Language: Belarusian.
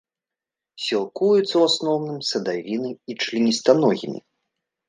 Сілкуецца ў асноўным садавінай і членістаногімі.